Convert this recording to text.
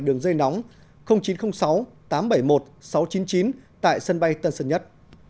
đường dây nóng chín trăm linh sáu tám trăm bảy mươi một sáu trăm chín mươi chín tại sân bay tân sơn nhất